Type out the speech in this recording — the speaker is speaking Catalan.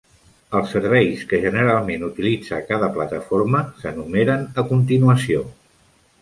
Els serveis que generalment utilitza cada plataforma s'enumeren a continuació.